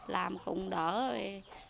làm cũng đỡ rồi